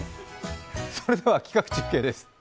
それでは企画中継です。